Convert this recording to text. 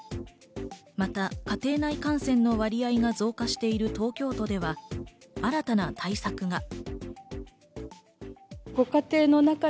また家庭内感染の割合が増加している東京都では新たな対策が。